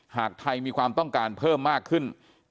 หากไทยมีความต้องการเพิ่มมากขึ้น